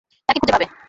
তাকে খুঁজে পাবে।